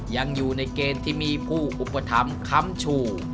ยังอยู่ในเกณฑ์ที่มีผู้อุปถัมภ์ค้ำชู